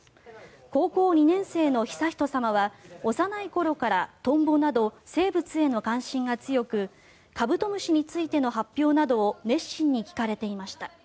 高校２年生の悠仁さまは幼い頃からトンボなど生物への関心が強くカブトムシについての発表などを熱心に聞かれていました。